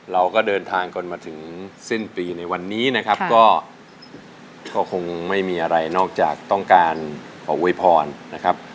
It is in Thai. เราก็เดินทางกันมาถึงสิ้นปีในวันนี้นะครับก็คงไม่มีอะไรนอกจากต้องการขออวยพรนะครับ